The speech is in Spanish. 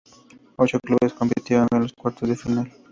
Ocho clubes compitieron en los cuartos de final.